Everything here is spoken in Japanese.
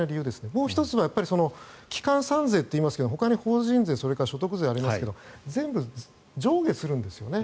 もう１つは基幹三税といいますがほかに法人税それから所得税がありますが全部上下するんですよね。